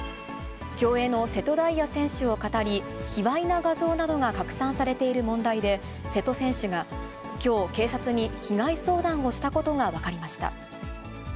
競泳の瀬戸大也選手をかたり、卑わいな画像などが拡散されている問題で、瀬戸選手がきょう、警察に被害相談をしたことが分かりました。